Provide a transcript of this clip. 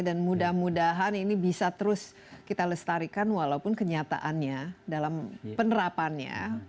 dan mudah mudahan ini bisa terus kita lestarikan walaupun kenyataannya dalam penerapannya